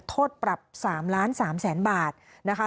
โทษปรับ๓๓๐๐๐๐บาทนะคะ